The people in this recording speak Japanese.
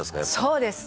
「そうです！」